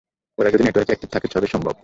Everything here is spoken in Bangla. ওরা যদি নেটওয়ার্কে এক্টিভ থাকে তবেই সম্ভব।